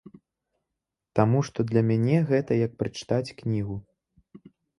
Таму што для мяне гэта як прачытаць кнігу.